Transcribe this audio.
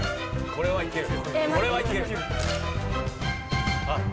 これはいける！